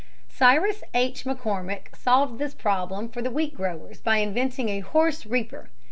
Cyrus H. McCormick solved this problem for the wheat growers by inventing a horse reaper.